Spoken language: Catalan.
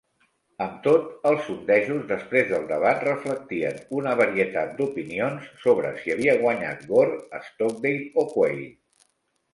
Amb tot, els sondejos després del debat reflectien una varietat d'opinions sobre si havia guanyat Gore, Stockdale o Quayle.